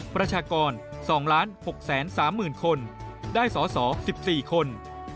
ประชากร๒๖๓๐๐๐คนได้สอสอ๑๔คน